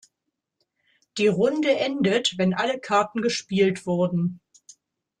Die Runde endet, wenn alle Karten gespielt wurden.